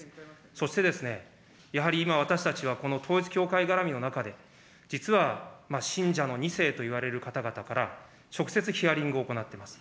そして、やはり今、私たちはこの統一教会がらみの中で、実は信者の２世といわれる方々から、直接ヒアリングを行っています。